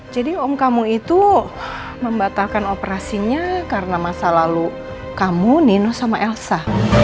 jadi om kamu itu membatalkan operasinya karena masa lalu kamu nino sama elsa